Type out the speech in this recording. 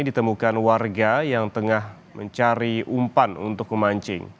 ditemukan warga yang tengah mencari umpan untuk memancing